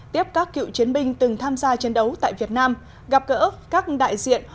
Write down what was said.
tiếp các cựu chiến binh từng tham gia chiến đấu tại việt nam gặp gỡ các đại diện